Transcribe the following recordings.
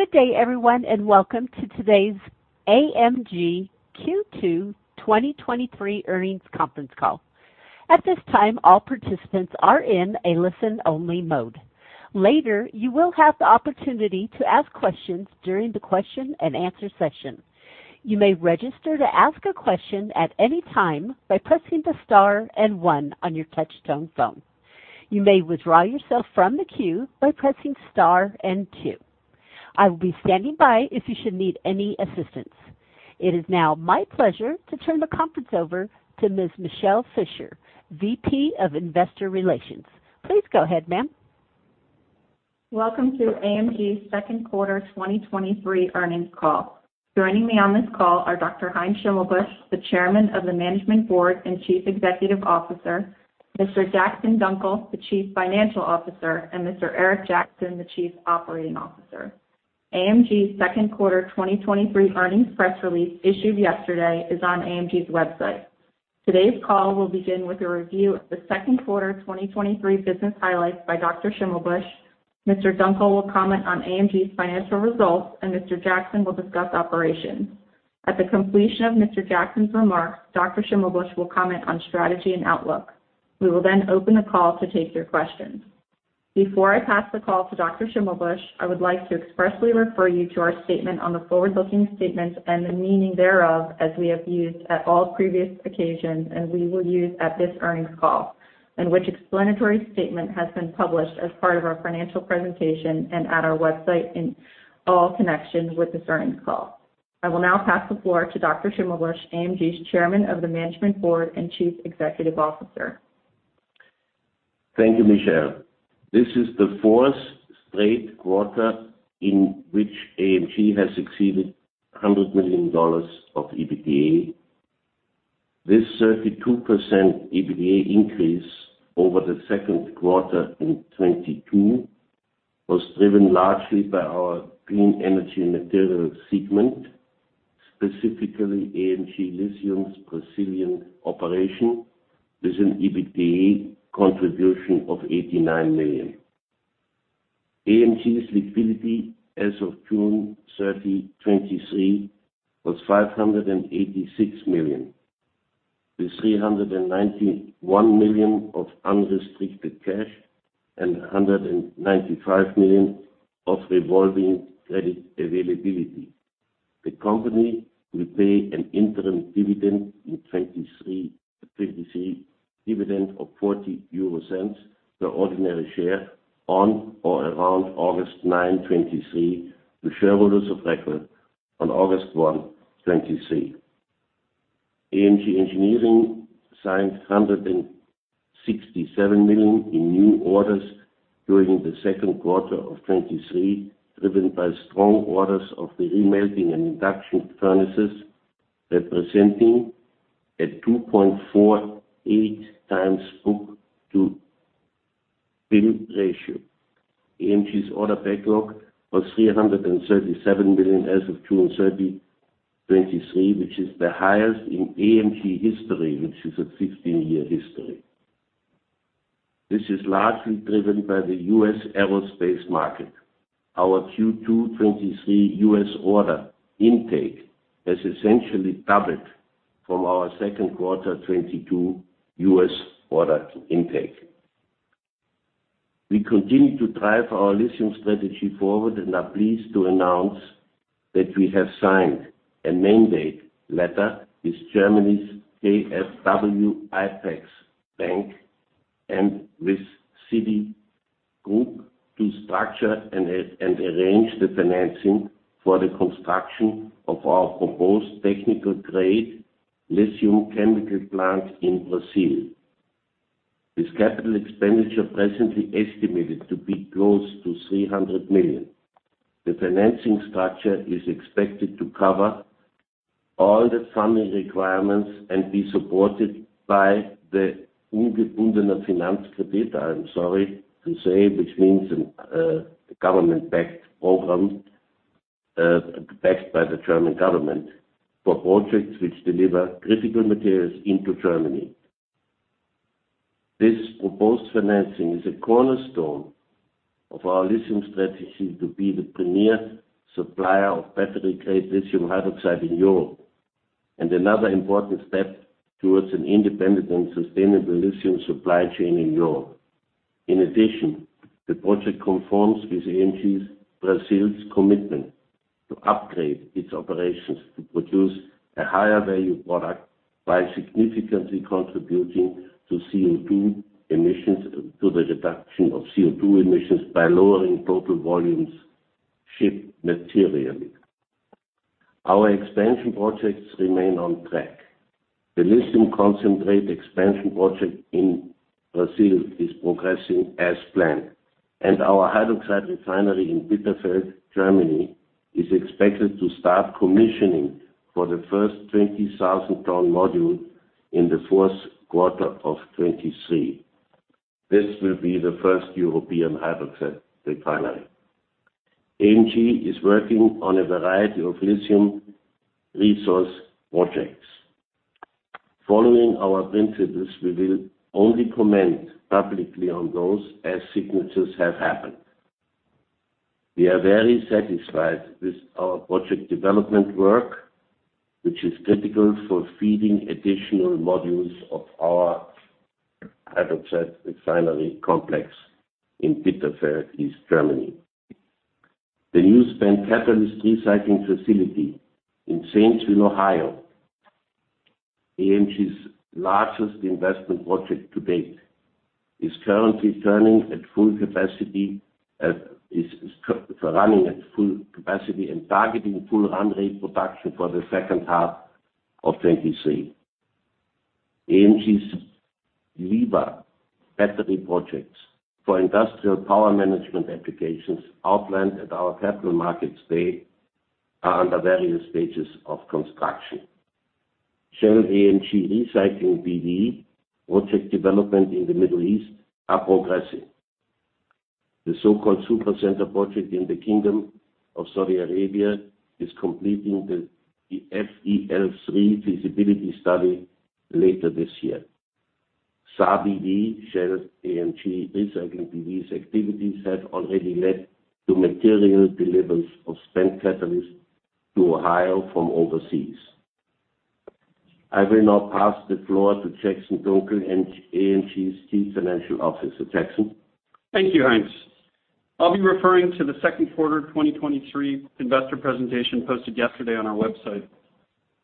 Good day, everyone, and welcome to today's AMG Q2 2023 Earnings Conference Call. At this time, all participants are in a listen-only mode. Later, you will have the opportunity to ask questions during the question and answer session. You may register to ask a question at any time by pressing the star and one on your touchtone phone. You may withdraw yourself from the queue by pressing star and two. I will be standing by if you should need any assistance. It is now my pleasure to turn the conference over to Ms. Michele Fischer, VP of Investor Relations. Please go ahead, ma'am. Welcome to AMG's Q2 2023 earnings call. Joining me on this call are Dr. Heinz Schimmelbusch, the Chairman of the Management Board and Chief Executive Officer, Mr. Jackson Dunckel, the Chief Financial Officer, and Mr. Eric Jackson, the Chief Operating Officer. AMG's Q2 2023 earnings press release, issued yesterday, is on AMG's website. Today's call will begin with a review of the Q2 2023 business highlights by Dr. Schimmelbusch. Mr. Dunckel will comment on AMG's financial results. Mr. Jackson will discuss operations. At the completion of Mr. Jackson's remarks, Dr. Schimmelbusch will comment on strategy and outlook. We will open the call to take your questions. Before I pass the call to Dr. Schimmelbusch, I would like to expressly refer you to our statement on the forward-looking statements and the meaning thereof, as we have used at all previous occasions, and we will use at this earnings call, and which explanatory statement has been published as part of our financial presentation and at our website in all connections with this earnings call. I will now pass the floor to Dr. Schimmelbusch, AMG's Chairman of the Management Board and Chief Executive Officer. Thank you, Michele. This is the fourth straight quarter in which AMG has exceeded $100 million of EBITDA. This 32% EBITDA increase over the Q2 of 2022 was driven largely by our AMG Clean Energy Materials segment, specifically AMG Lithium's Brazilian operation, with an EBITDA contribution of $89 million. AMG's liquidity as of June 30, 2023, was $586 million, with $391 million of unrestricted cash and $195 million of revolving credit availability. The company will pay an interim dividend in 2023, a dividend of 0.40 per ordinary share on or around 9 August, 2023, to shareholders of record on August 1, 2023. AMG Engineering signed $167 million in new orders during the Q2 of 2023, driven by strong orders of the remelting and induction furnaces, representing a 2.48 times book-to-bill ratio. AMG's order backlog was $337 million as of June 30, 2023, which is the highest in AMG history, which is a 15-year history. This is largely driven by the U.S. aerospace market. Our Q2 2023 U.S. order intake has essentially doubled from our Q2 2022 U.S. order intake. We continue to drive our lithium strategy forward and are pleased to announce that we have signed a mandate letter with Germany's KfW IPEX-Bank and with Citigroup to structure and arrange the financing for the construction of our proposed technical-grade lithium chemical plant in Brazil. This capital expenditure presently estimated to be close to $300 million. The financing structure is expected to cover all the funding requirements and be supported by the Ungebundener Finanzkredit, I'm sorry to say, which means the government-backed program, backed by the German government for projects which deliver critical materials into Germany. This proposed financing is a cornerstone of our lithium strategy to be the premier supplier of battery-grade lithium hydroxide in Europe, and another important step towards an independent and sustainable lithium supply chain in Europe. In addition, the project conforms with AMG's Brazil's commitment to upgrade its operations to produce a higher-value product by significantly contributing to CO2 emissions to the reduction of CO2 emissions by lowering total volumes shipped materially. Our expansion projects remain on track. The lithium concentrate expansion project in Brazil is progressing as planned, and our hydroxide refinery in Bitterfeld, Germany, is expected to start commissioning for the first 20,000 ton module in the Q4 of 2023. This will be the first European hydroxide refinery. AMG is working on a variety of lithium resource projects.... Following our principles, we will only comment publicly on those as signatures have happened. We are very satisfied with our project development work, which is critical for feeding additional modules of our hydroxide refinery complex in Bitterfeld, East Germany. The new spent catalyst recycling facility in Zanesville, Ohio, AMG's largest investment project to date, is currently turning at full capacity, is running at full capacity and targeting full run rate production for the second half of 2023. AMG's LIVA battery projects for industrial power management applications outlined at our capital markets day, are under various stages of construction. Shell & AMG Recycling B.V. project development in the Middle East are progressing. The so-called Super Center project in the Kingdom of Saudi Arabia is completing the FEL3 feasibility study later this year. SARBV, Shell & AMG Recycling B.V.'s activities have already led to material deliverance of spent catalyst to Ohio from overseas. I will now pass the floor to Jackson Dunckel, AMG's Chief Financial Officer. Jackson? Thank you, Heinz. I'll be referring to the Q2 2023 investor presentation posted yesterday on our website.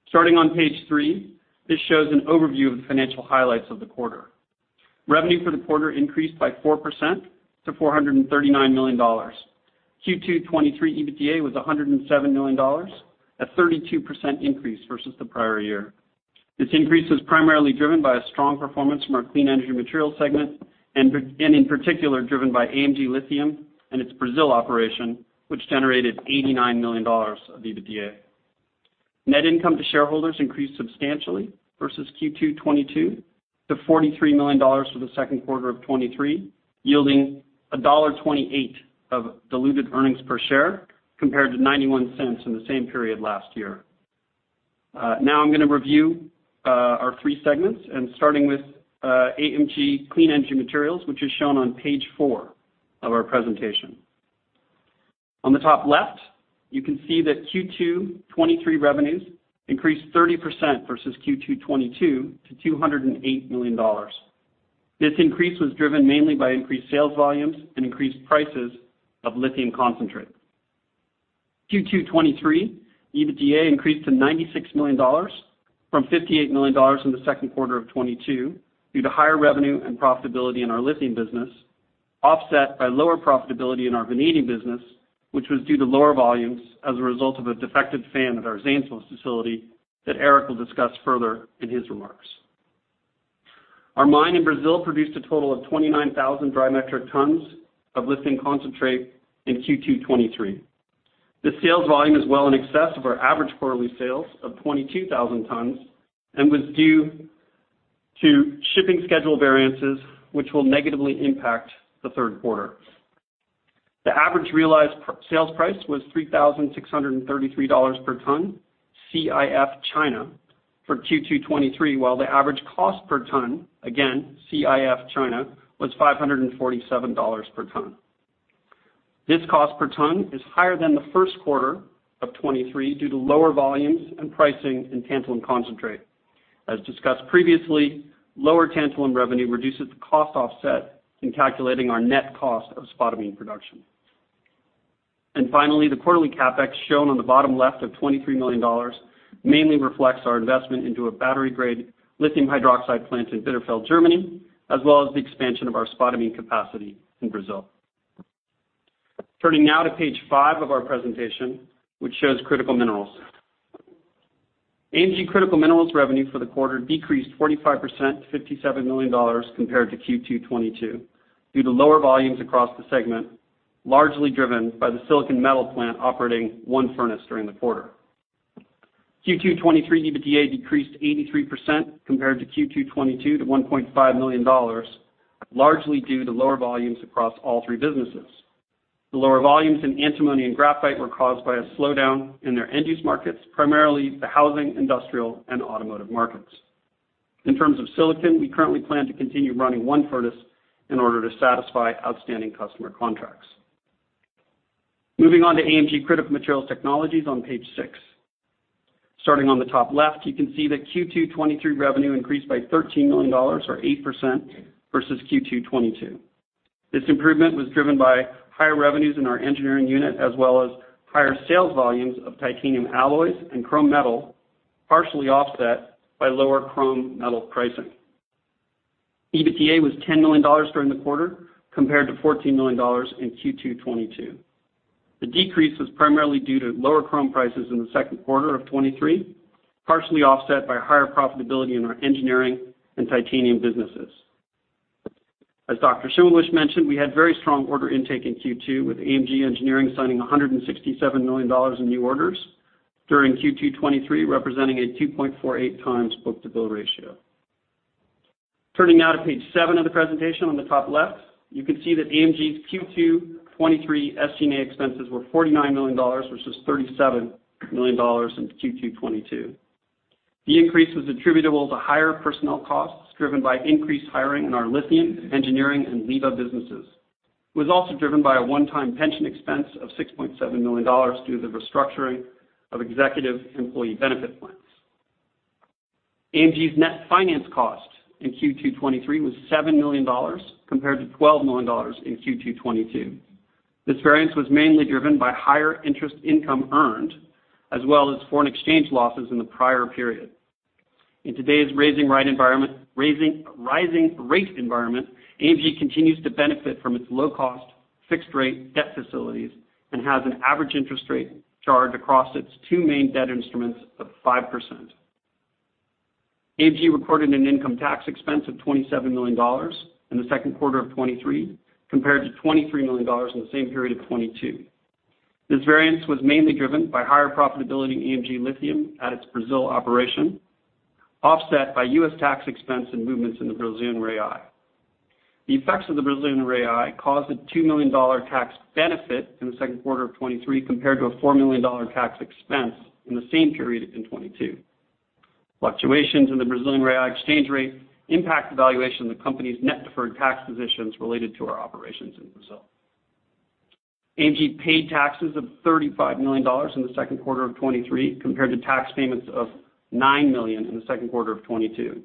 Starting on page 3, this shows an overview of the financial highlights of the quarter. Revenue for the quarter increased by 4% to $439 million. Q2 2023 EBITDA was $107 million, a 32% increase versus the prior year. This increase was primarily driven by a strong performance from our Clean Energy Materials segment, and in particular, driven by AMG Lithium and its Brazil operation, which generated $89 million of EBITDA. Net income to shareholders increased substantially versus Q2 2022 to $43 million for the Q2 of 2023, yielding $1.28 of diluted earnings per share, compared to $0.91 in the same period last year. Now I'm going to review our three segments and starting with AMG Clean Energy Materials, which is shown on page 4 of our presentation. On the top left, you can see that Q2 2023 revenues increased 30% versus Q2 2022 to $208 million. This increase was driven mainly by increased sales volumes and increased prices of lithium concentrate. Q2 2023 EBITDA increased to $96 million from $58 million in the Q2 of 2022, due to higher revenue and profitability in our lithium business, offset by lower profitability in our vanadium business, which was due to lower volumes as a result of a defective fan at our Zanesville facility, that Eric will discuss further in his remarks. Our mine in Brazil produced a total of 29,000 dry metric tons of lithium concentrate in Q2 2023. The sales volume is well in excess of our average quarterly sales of 22,000 tons, was due to shipping schedule variances, which will negatively impact the Q3. The average realized sales price was $3,633 per ton, CIF China, for Q2 2023, while the average cost per ton, again, CIF China, was $547 per ton. This cost per ton is higher than the Q1 of 2023, due to lower volumes and pricing in tantalum concentrate. As discussed previously, lower tantalum revenue reduces the cost offset in calculating our net cost of spodumene production. Finally, the quarterly CapEx, shown on the bottom left of $23 million, mainly reflects our investment into a battery-grade lithium hydroxide plant in Bitterfeld, Germany, as well as the expansion of our spodumene capacity in Brazil. Turning now to page six of our presentation, which shows Critical Minerals. AMG Critical Minerals revenue for the quarter decreased 45% to $57 million compared to Q2 2022, due to lower volumes across the segment, largely driven by the silicon metal plant operating one furnace during the quarter. Q2 2023 EBITDA decreased 83% compared to Q2 2022 to $1.5 million, largely due to lower volumes across all three businesses. The lower volumes in antimony and graphite were caused by a slowdown in their end-use markets, primarily the housing, industrial, and automotive markets. In terms of Silicon, we currently plan to continue running one furnace in order to satisfy outstanding customer contracts. Moving on to AMG Critical Materials Technologies on page six. Starting on the top left, you can see that Q2 2023 revenue increased by $13 million, or 8%, versus Q2 2022. This improvement was driven by higher revenues in our Engineering unit, as well as higher sales volumes of titanium alloys and chrome metal, partially offset by lower chrome metal pricing. EBITDA was $10 million during the quarter, compared to $14 million in Q2 2022. The decrease was primarily due to lower chrome prices in the Q2 of 2023, partially offset by higher profitability in our Engineering and titanium businesses. As Dr. Heinz Schimmelbusch mentioned, we had very strong order intake in Q2, with AMG Engineering signing $167 million in new orders during Q2 2023, representing a 2.48 times book-to-bill ratio. Turning now to page 7 of the presentation on the top left, you can see that AMG's Q2 2023 SG&A expenses were $49 million, versus $37 million in Q2 2022. The increase was attributable to higher personnel costs, driven by increased hiring in our lithium, engineering, and LIVA businesses. It was also driven by a one-time pension expense of $6.7 million due to the restructuring of executive employee benefit plans. AMG's net finance cost in Q2 2023 was $7 million, compared to $12 million in Q2 2022. This variance was mainly driven by higher interest income earned, as well as foreign exchange losses in the prior period. In today's rising rate environment, AMG continues to benefit from its low-cost, fixed-rate debt facilities and has an average interest rate charged across its two main debt instruments of 5%. AMG recorded an income tax expense of $27 million in the Q2 of 2023, compared to $23 million in the same period of 2022. This variance was mainly driven by higher profitability in AMG Lithium at its Brazil operation, offset by U.S. tax expense and movements in the Brazilian real. The effects of the Brazilian real caused a $2 million tax benefit in the Q2 of 2023, compared to a $4 million tax expense in the same period in 2022. Fluctuations in the Brazilian real exchange rate impact the valuation of the company's net deferred tax positions related to our operations in Brazil. AMG paid taxes of $35 million in the Q2 2023, compared to tax payments of $9 million in the Q2 of 2022.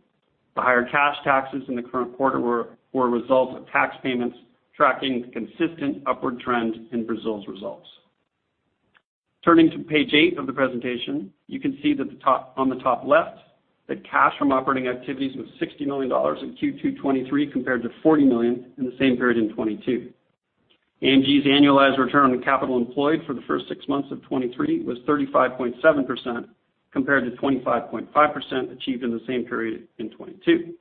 the higher cash taxes in the current quarter were a result of tax payments tracking the consistent upward trend in Brazil's results. Turning to page 8 of the presentation, you can see that on the top left, that cash from operating activities was $60 million in Q2 2023, compared to $40 million in the same period in 2022. AMG's annualized return on capital employed for the first 6 months of 2023 was 35.7%, compared to 25.5% achieved in the same period in 2022.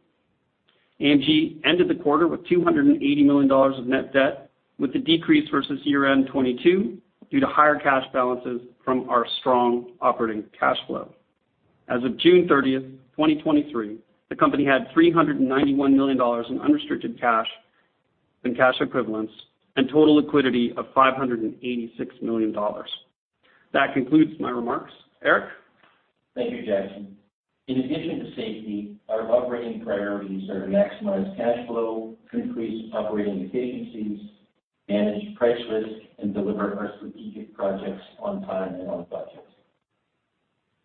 AMG ended the quarter with $280 million of net debt, with the decrease versus year-end 2022, due to higher cash balances from our strong operating cash flow. As of June 30, 2023, the company had $391 million in unrestricted cash and cash equivalents, and total liquidity of $586 million. That concludes my remarks. Eric? Thank you, Jackson. In addition to safety, our operating priorities are to maximize cash flow, to increase operating efficiencies, manage price risk, and deliver our strategic projects on time and on budget.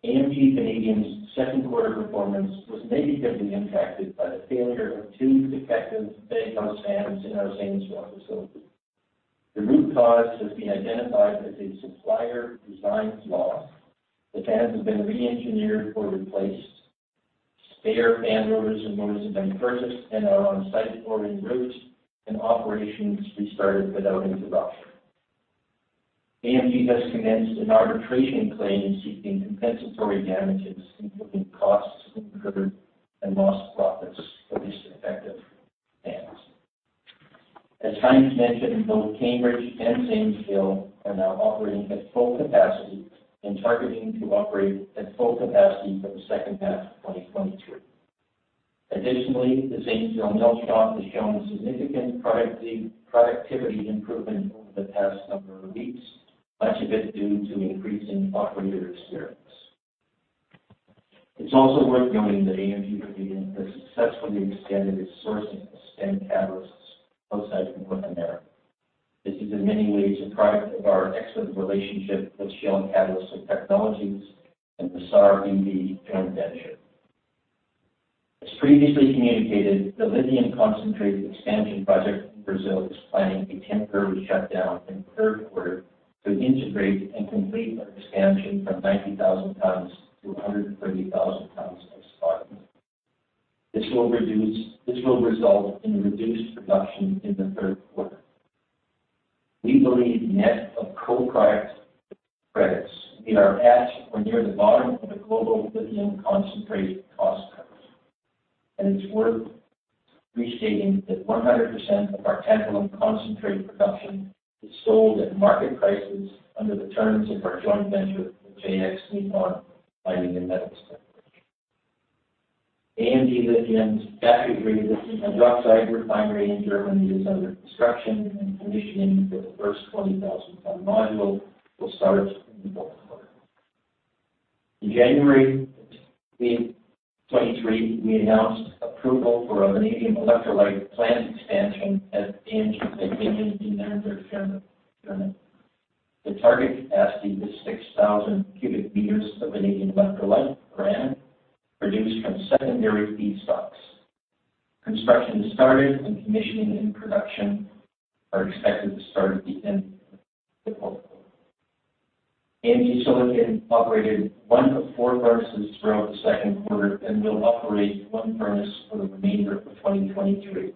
AMG Vanadium's Q2 performance was negatively impacted by the failure of two defective baghouse fans in our Zanesville facility. The root cause has been identified as a supplier design flaw. The fans have been reengineered or replaced. Spare fan motors and motors have been purchased and are on site or en route, and operations restarted without interruption. AMG has commenced an arbitration claim, seeking compensatory damages, including costs incurred and lost profits for these defective fans. As Heinz mentioned, both Cambridge and Zanesville are now operating at full capacity and targeting to operate at full capacity for the second half of 2023. Additionally, the Zanesville mill shop has shown significant productivity improvement over the past number of weeks, much of it due to increasing operator experience. It's also worth noting that AMG Vanadium has successfully extended its sourcing of spent catalysts outside of North America. This is in many ways a product of our excellent relationship with Shell Catalysts & Technologies and the SARBV joint venture. As previously communicated, the lithium concentrate expansion project in Brazil is planning a temporary shutdown in the Q3 to integrate and complete our expansion from 90,000 tons to 130,000 tons of spodumene. This will result in reduced production in the Q3. We believe net of co-product credits, we are at or near the bottom of the global lithium concentrate cost curve, and it's worth restating that 100% of our tantalum concentrate production is sold at market prices under the terms of our joint venture with JX Nippon Mining & Metals Corporation. AMG Lithium's battery-grade lithium oxide refinery in Germany is under construction, and commissioning for the first 20,000 ton module will start in the Q4. In January 2023, we announced approval for a vanadium electrolyte plant expansion at AMG Vanadium in Landshut, Germany. The target capacity is 6,000 cubic meters of vanadium electrolyte per annum, produced from secondary feedstocks. Construction started, and commissioning and production are expected to start at the end of the Q4. AMG Silicon operated one of four furnaces throughout the Q2 and will operate one furnace for the remainder of 2023.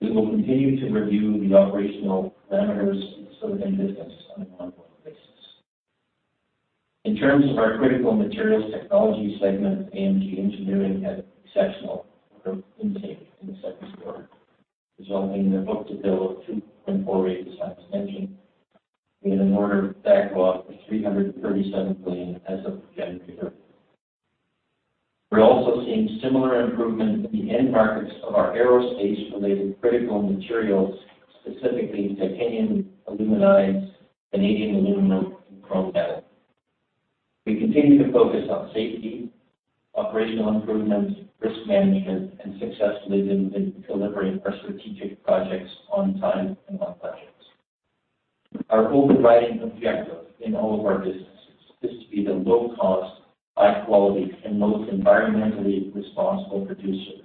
We will continue to review the operational parameters of the silicon business on an ongoing basis. In terms of our Critical Materials Technologies segment, AMG Engineering had exceptional order intake in the Q2, resulting in a book-to-bill of 2.48 times mentioned. We had an order backlog of $337 billion as of 3 January. We're also seeing similar improvement in the end markets of our aerospace-related critical materials, specifically titanium aluminides, vanadium, aluminum, and chrome metal. We continue to focus on safety, operational improvements, risk management, and successfully delivering our strategic projects on time and on budgets. Our overriding objective in all of our businesses is to be the low cost, high quality, and most environmentally responsible producer.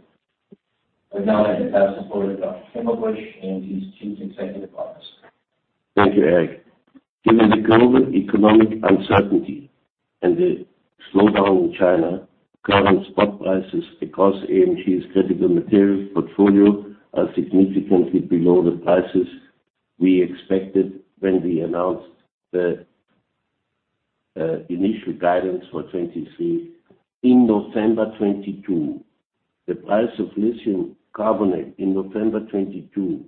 I'd now like to pass the floor to Dr. Heinz Schimmelbusch, AMG's Chief Executive Officer. Thank you, Eric. Given the global economic uncertainty and the slowdown in China, current spot prices across AMG's critical materials portfolio are significantly below the prices we expected when we announced the initial guidance for 2023 in November 2022. The price of lithium carbonate in November 2022,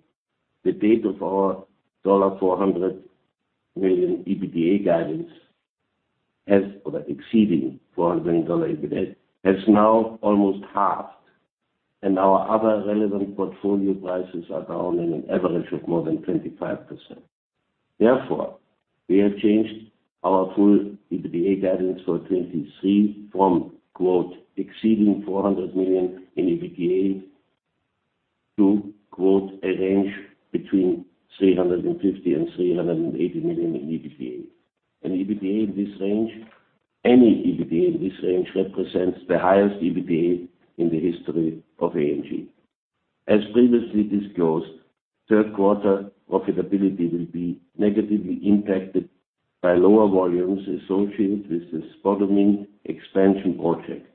the date of our $400 million EBITDA guidance, as or exceeding $400 million EBITDA, has now almost halved, and our other relevant portfolio prices are down in an average of more than 25%. Therefore, we have changed our full EBITDA guidance for 2023 from quote, "exceeding $400 million in EBITDA" to quote, "a range between $350 million and $380 million in EBITDA." An EBITDA in this range, any EBITDA in this range represents the highest EBITDA in the history of AMG. As previously disclosed, Q3 profitability will be negatively impacted by lower volumes associated with the spodumene expansion project.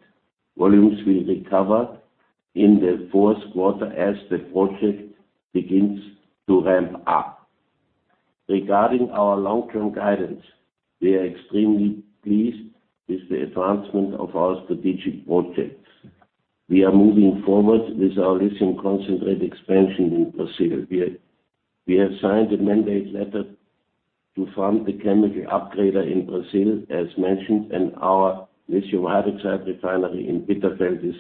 Volumes will recover in the Q4 as the project begins to ramp up. Regarding our long-term guidance, we are extremely pleased with the advancement of our strategic projects. We have signed a mandate letter to fund the chemical upgrader in Brazil, as mentioned, and our lithium hydroxide refinery in Bitterfeld is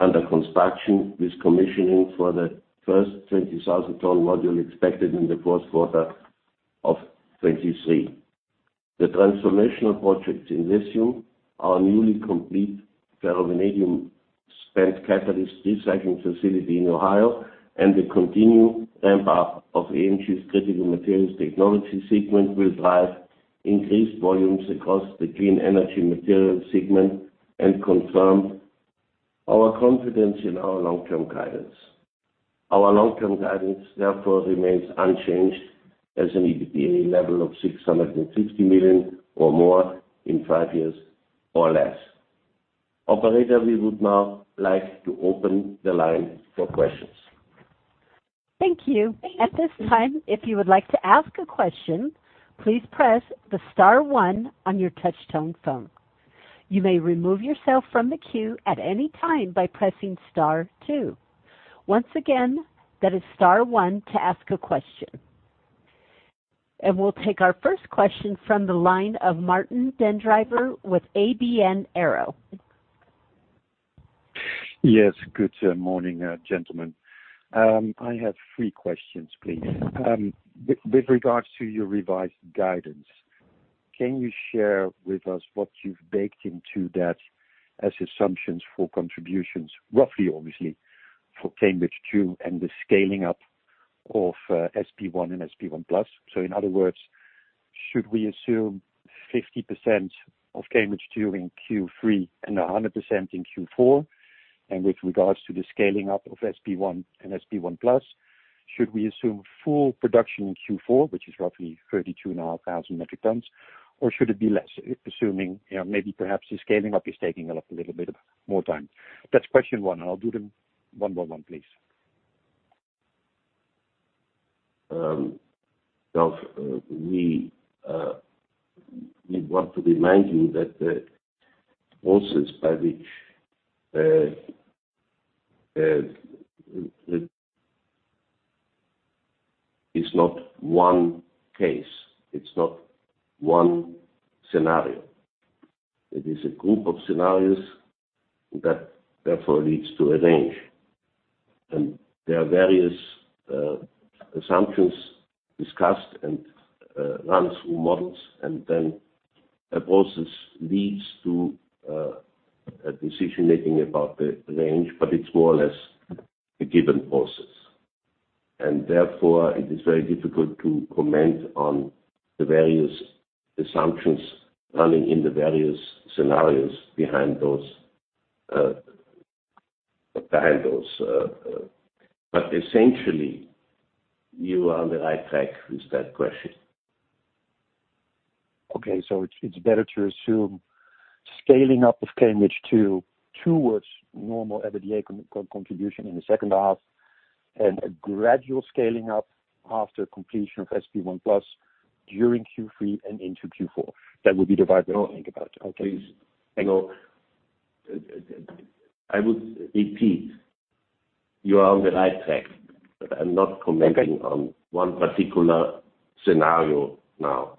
under construction, with commissioning for the first 20,000 ton module expected in the Q4 of 2023. The transformational projects in lithium, our newly complete ferrovanadium spent catalyst recycling facility in Ohio, and the continued ramp-up of AMG's Critical Materials Technology segment, will drive increased volumes across the Clean Energy Materials segment and confirm our confidence in our long-term guidance. Our long-term guidance, therefore, remains unchanged as an EBITDA level of $650 million or more in five years or less. Operator, we would now like to open the line for questions. Thank you. At this time, if you would like to ask a question, please press the star one on your touchtone phone. You may remove yourself from the queue at any time by pressing star two. Once again, that is star one to ask a question. We'll take our first question from the line of Martijn den Drijver with ABN AMRO. Yes, good morning, gentlemen. I have 3 questions, please. With regards to your revised guidance, can you share with us what you've baked into that as assumptions for contributions, roughly, obviously, for Cambridge II and the scaling up of SP1 and SP1+? In other words, should we assume 50% of Cambridge II in Q3 and 100% in Q4? With regards to the scaling up of SP1 and SP1+, should we assume full production in Q4, which is roughly 32,500 metric tons, or should it be less, assuming maybe perhaps the scaling up is taking a little bit of more time? That's question 1, I'll do them 1 by 1, please. We want to remind you that the process by which it's not one case, it's not one scenario. It is a group of scenarios that therefore leads to a range. There are various assumptions discussed and run through models, and then a process leads to a decision-making about the range, but it's more or less a given process. Therefore, it is very difficult to comment on the various assumptions running in the various scenarios behind those. Essentially, you are on the right track with that question. It's better to assume scaling up of Cambridge II towards normal EBITDA contribution in the second half, and a gradual scaling up after completion of SP1+ during Q3 and into Q4. That would be the right way to think about it, okay? Please hang on. You are on the right track, but I'm not commenting on one particular scenario now.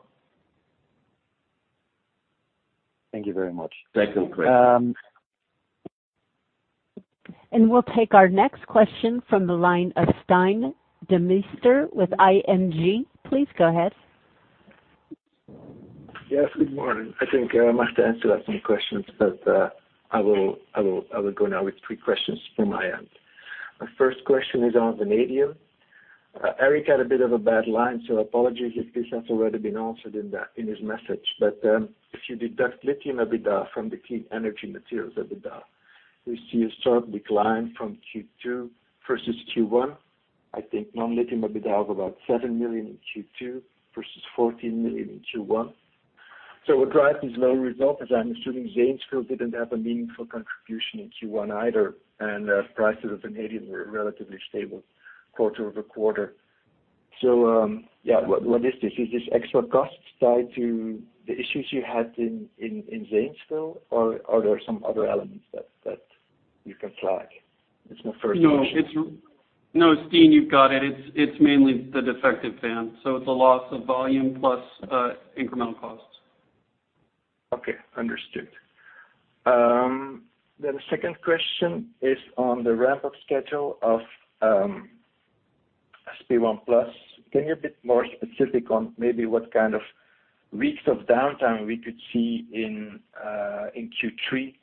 Thank you very much. Second question. We'll take our next question from the line of Stijn Demeester with ING. Please go ahead. Yes, good morning. I think Mark answered some questions. I will go now with three questions from my end. My first question is on vanadium. Eric had a bit of a bad line, so apologies if this has already been answered in his message. If you deduct lithium EBITDA from the Clean Energy Materials EBITDA, we see a sharp decline from Q2 versus Q1. I think non-lithium EBITDA of about $7 million in Q2 versus $14 million in Q1. What drives this low result, as I'm assuming Zanesville didn't have a meaningful contribution in Q1 either, and prices of vanadium were relatively stable quarter-over-quarter? Yeah, what is this? Is this extra costs tied to the issues you had in Zanesville, or are there some other elements that you can flag? It's my first question. No, Stijn, you've got it. It's mainly the defective fan, so it's a loss of volume plus incremental costs. Okay, understood. The second question is on the ramp-up schedule of SP1+. Can you be more specific on maybe what weeks of downtime we could see in Q3?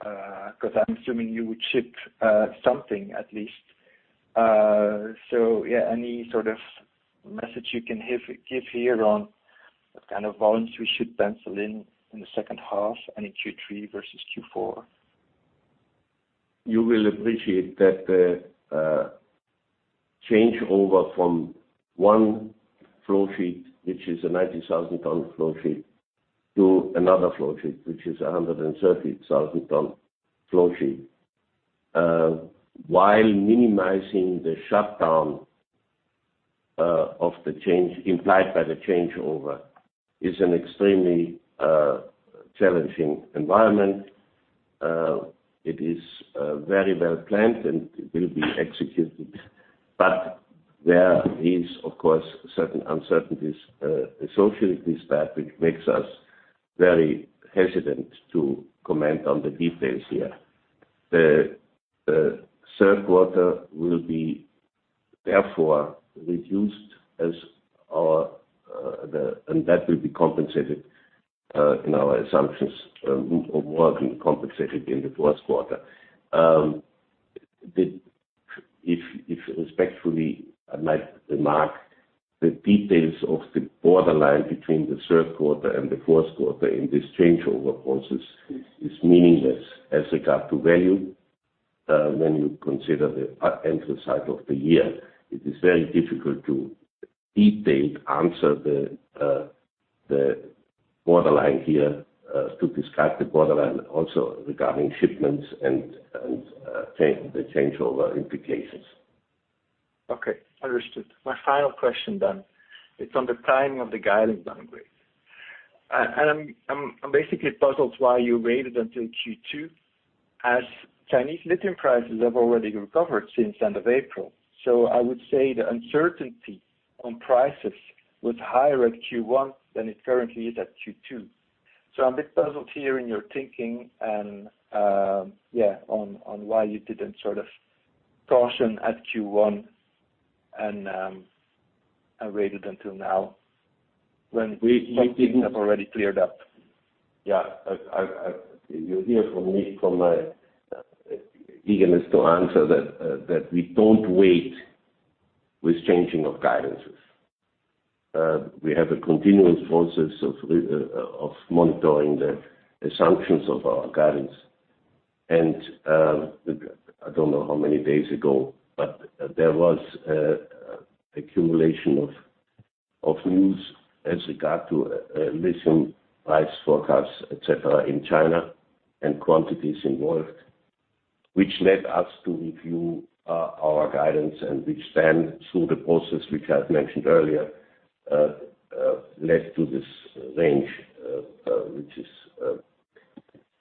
'Cause I'm assuming you would ship something at least. Yeah, any message you can give here on what volumes we should pencil in the second half and in Q3 versus Q4? You will appreciate that the changeover from one flow sheet, which is a 90,000 ton flow sheet, to another flow sheet, which is a 130,000 ton flow sheet, while minimizing the shutdown of the change implied by the changeover, is an extremely challenging environment. It is very well planned, and it will be executed. There is, of course, certain uncertainties associated with that, which makes us very hesitant to comment on the details here. The Q3 will be therefore reduced as our. That will be compensated in our assumptions, or more compensated in the Q1. The, if respectfully, I might remark, the details of the borderline between the Q3 and the Q4 in this changeover process is meaningless as regard to value, when you consider the end of the cycle of the year. It is very difficult to in detail answer the borderline here, to discuss the borderline also regarding shipments and, the changeover implications. Okay, understood. My final question, it's on the timing of the guidance downgrade. I'm basically puzzled why you waited until Q2, as Chinese lithium prices have already recovered since end of April. I would say the uncertainty on prices was higher at Q1 than it currently is at Q2. I'm a bit puzzled here in your thinking and on why you didn't caution at Q1 and waited until now, when things have already cleared up. Yeah, you'll hear from me, from my eagerness to answer that we don't wait with changing of guidances. We have a continuous process of monitoring the assumptions of our guidance. I don't know how many days ago, but there was an accumulation of news as regard to lithium price forecasts, et cetera, in China and quantities involved, which led us to review our guidance and which then, through the process, which I've mentioned earlier, led to this range,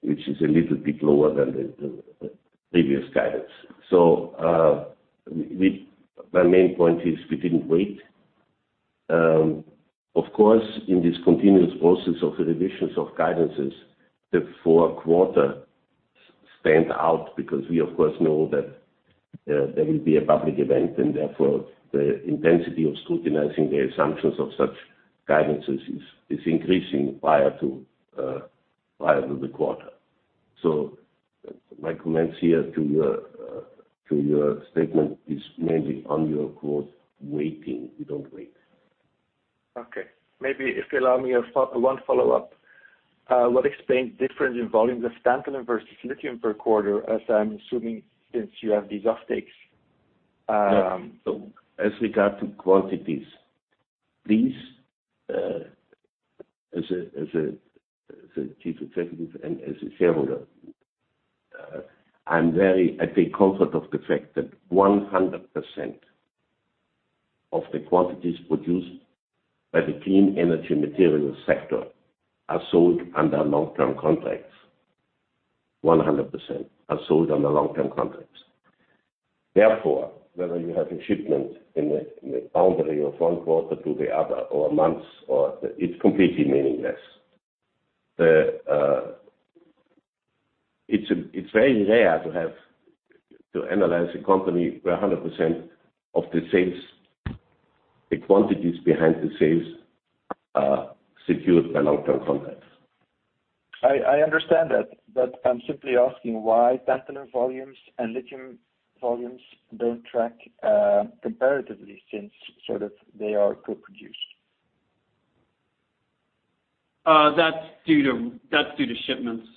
which is a little bit lower than the previous guidance. My main point is we didn't wait. Of course, in this continuous process of revisions of guidances, the Q4 stand out because we of course know that there will be a public event, and therefore, the intensity of scrutinizing the assumptions of such guidances is increasing prior to the quarter. My comments here to your statement is mainly on your quote, "Waiting." We don't wait. Okay. Maybe if you allow me a one follow-up, what explains the difference in volumes of standalone versus lithium per quarter, as I'm assuming, since you have these offtakes? As regard to quantities, please, as a chief executive and as a shareholder, I'm very at the comfort of the fact that 100% of the quantities produced by the Clean Energy Materials sector are sold under long-term contracts. 100% are sold under long-term contracts. Whether you have a shipment in the, in the boundary of one quarter to the other, or months, or it's completely meaningless. It's very rare to have to analyze a company where 100% of the sales, the quantities behind the sales are secured by long-term contracts. I understand that, but I'm simply asking why tantalum volumes and lithium volumes don't track comparatively since they are co-produced? That's due to shipments,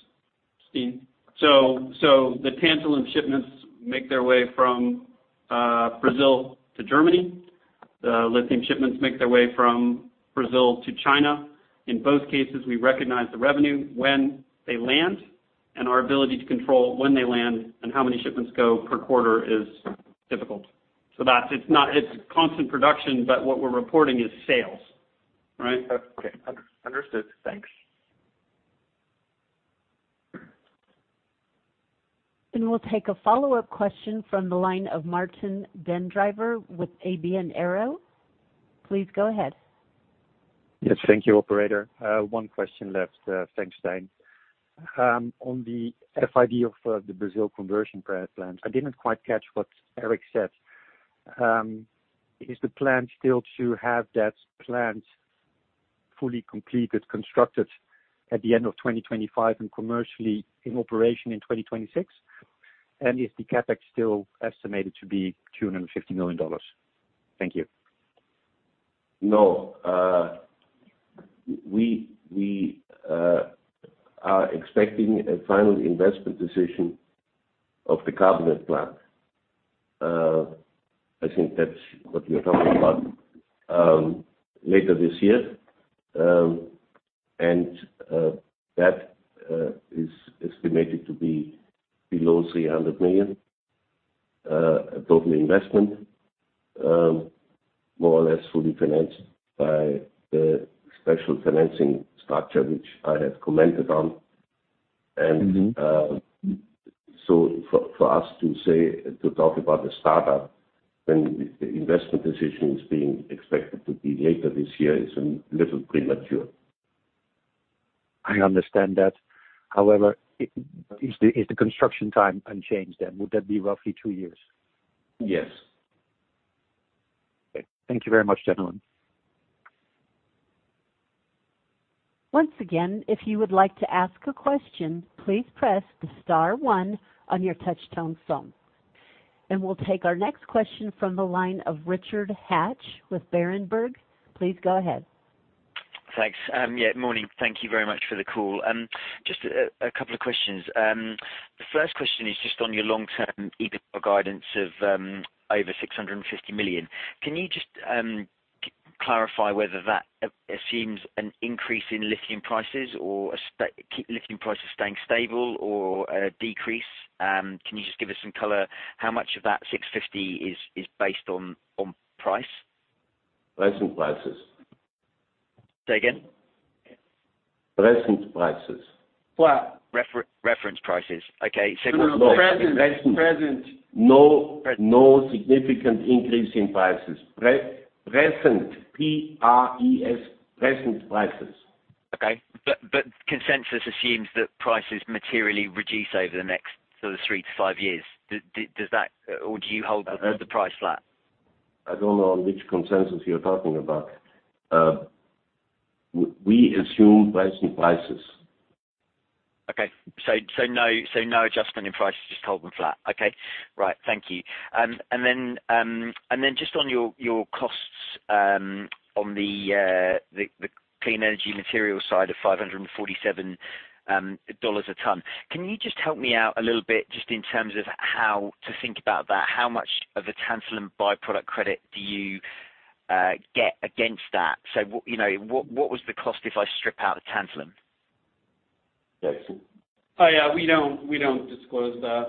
Stijn. The tantalum shipments make their way from Brazil to Germany. The lithium shipments make their way from Brazil to China. In both cases, we recognize the revenue when they land, and our ability to control when they land and how many shipments go per quarter is difficult. That's, it's not constant production, but what we're reporting is sales, right? Okay. Understood. Thanks. We'll take a follow-up question from the line of Martijn den Drijver with ABN AMRO Bank. Please go ahead. Yes, thank you, operator. One question left. Thanks, Stijn. On the FID of the Brazil conversion plant, I didn't quite catch what Eric said. Is the plan still to have that plant fully completed, constructed, at the end of 2025 and commercially in operation in 2026? Is the CapEx still estimated to be $250 million? Thank you. No, we are expecting a final investment decision of the carbonate plant. I think that's what you're talking about, later this year. That is estimated to be below $300 million total investment, more or less fully financed by the special financing structure, which I have commented on. For us to say, to talk about the startup, when the investment decision is being expected to be later this year is a little premature. I understand that. However, is the construction time unchanged, then? Would that be roughly two years? Yes. Okay. Thank you very much, gentlemen. Once again, if you would like to ask a question, please press the star one on your touch tone phone. We'll take our next question from the line of Richard Hatch with Berenberg. Please go ahead. Thanks. Yeah, morning. Thank you very much for the call. Just a couple of questions. The first question is just on your long-term EBITDA guidance of over $650 million. Can you just clarify whether that assumes an increase in lithium prices or lithium prices staying stable or a decrease? Can you just give us some color? How much of that $650 is based on price? Recent prices. Say again. Recent prices. Well, reference prices. Okay. No, no, present. Present. No, no significant increase in prices. Present prices. Consensus assumes that prices materially reduce over the next three to five years. Does that or do you hold the price flat? I don't know which consensus you're talking about. We assume recent prices. Okay. So no, so no adjustment in prices, just hold them flat. Okay. Right. Thank you. Then, and then just on your costs, on the Clean Energy Materials side of $547 a ton. Can you just help me out a little bit just in terms of how to think about that? How much of a tantalum by-product credit do you get against that? You know, what was the cost if I strip out the tantalum? Jackson? Oh, yeah, we don't disclose that.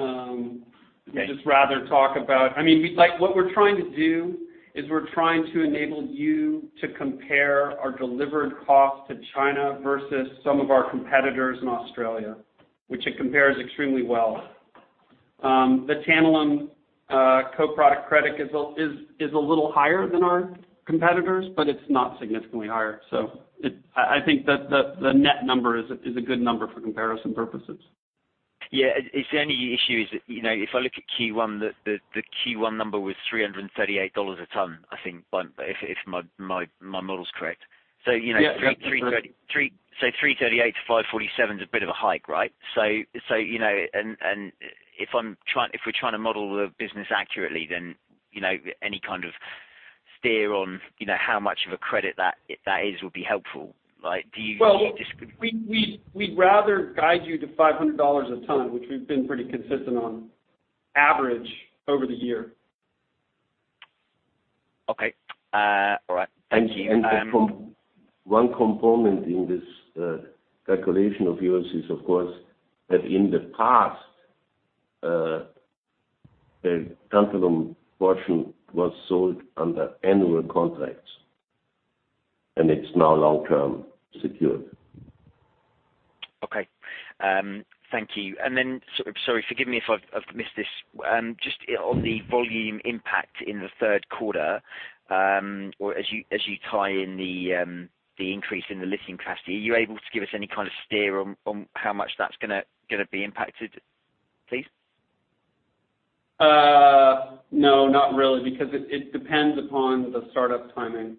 Okay. We just rather talk about... I mean, we, like, what we're trying to do, is we're trying to enable you to compare our delivered cost to China versus some of our competitors in Australia, which it compares extremely well. The tantalum co-product credit is a little higher than our competitors, but it's not significantly higher. I think that the net number is a good number for comparison purposes. Yeah. The only issue is that if I look at Q1, the Q1 number was $338 a ton, I think, if my model is correct. Yeah. 338 to 547 is a bit of a hike, right? You know, if we're trying to model the business accurately, then any steer on how much of a credit that is, would be helpful, right? Well, we'd rather guide you to $500 a ton, which we've been pretty consistent on, average, over the year. Okay. all right. Thank you. One component in this, calculation of yours is, of course, that in the past, the tantalum portion was sold under annual contracts, and it's now long-term secured. Thank you. Sorry, forgive me if I've missed this. Just on the volume impact in the Q3, or as you tie in the increase in the lithium capacity, are you able to give us any steer on how much that's gonna be impacted, please? No, not really, because it depends upon the startup timing.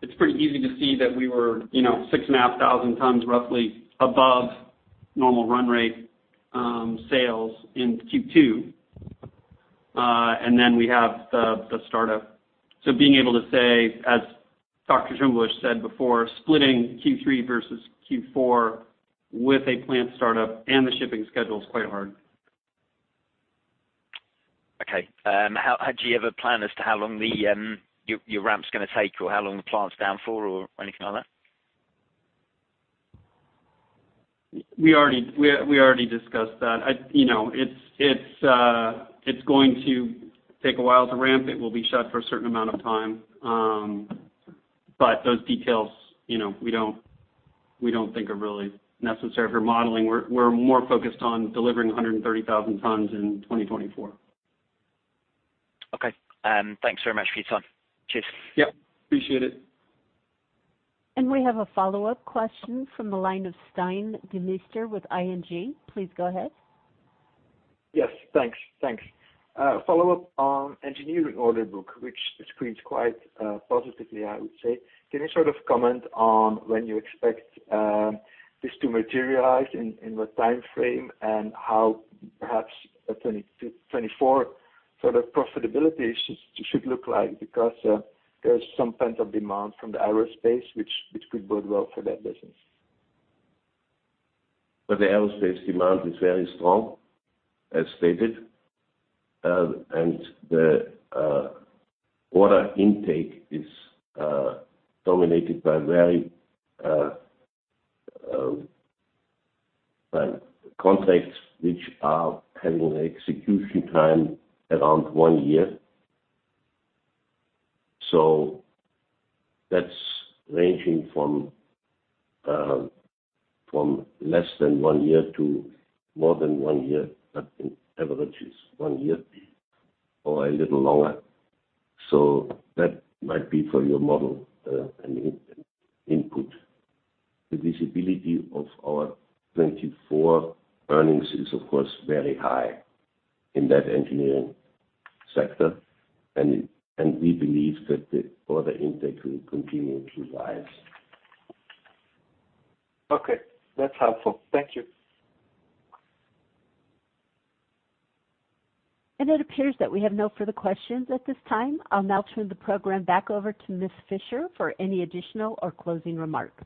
It's pretty easy to see that we were 6,500 tons, roughly above normal run rate, sales in Q2. And then we have the startup. Being able to say, as Dr. Heinz Schimmelbusch said before, splitting Q3 versus Q4 with a plant startup and the shipping schedule is quite hard. Okay. Do you have a plan as to how long the your ramp's gonna take, or how long the plant's down for, or anything like that? We already discussed that. It's going to take a while to ramp. It will be shut for a certain amount of time. Those details we don't think are really necessary for modeling. We're more focused on delivering 130,000 tons in 2024. Okay. Thanks very much for your time. Cheers. Yep, appreciate it. We have a follow-up question from the line of Stijn Demeester with ING. Please go ahead. Yes, thanks. Thanks. Follow-up on Engineering order book, which screens quite positively, I would say. Can you comment on when you expect this to materialize in what time frame, and how perhaps a 2020-2024 profitability should look like? There's some pent-up demand from the aerospace, which could bode well for that business. The aerospace demand is very strong, as stated. The order intake is dominated by very by contracts which are having an execution time around one year. That's ranging from less than one year to more than one year, but it averages one year or a little longer. That might be for your model, an input. The visibility of our 2024 earnings is, of course, very high in that engineering sector, and we believe that the order intake will continue to rise. Okay, that's helpful. Thank you. It appears that we have no further questions at this time. I'll now turn the program back over to Ms. Fischer for any additional or closing remarks.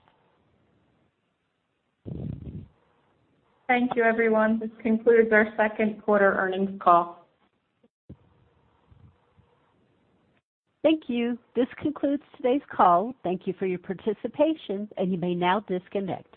Thank you, everyone. This concludes our Q2 earnings call. Thank you. This concludes today's call. Thank you for your participation. You may now disconnect.